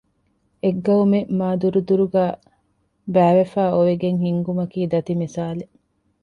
އެއް ޤައުމެއް މާދުރުދުރުގައި ބައިވެފައި އޮވެގެން ހިންގުމަކީ ދަތި މިސާލެއް